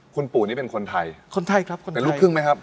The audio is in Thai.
คุณปู่นี่เป็นคนไทยคนไทยครับคนไทยเป็นลูกครึ่งไหมครับ